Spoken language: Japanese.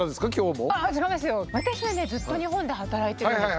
私はねずっと日本で働いてるんですよ。